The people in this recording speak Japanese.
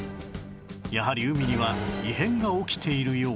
やはり海には異変が起きているよう